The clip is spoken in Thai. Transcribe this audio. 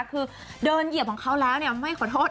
คือเดินเหยียบของเขาแล้วไม่ขอโทษ